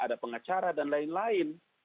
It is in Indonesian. ada pengacara dan lain lain